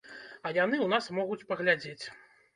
А яны ў нас могуць паглядзець.